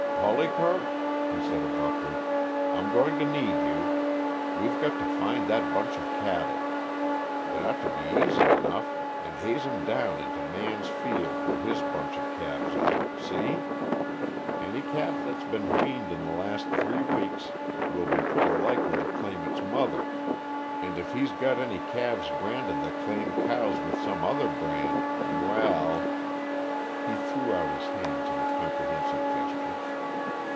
"Polycarp," he said abruptly, "I'm going to need you. We've got to find that bunch of cattle it ought to be easy enough, and haze 'em down into Man's field where his bunch of calves are see? Any calf that's been weaned in the last three weeks will be pretty likely to claim its mother; and if he's got any calves branded that claim cows with some other brand well " He threw out his hands in a comprehensive gesture.